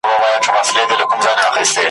د ټانګې آس بل خواته نه ګوري !.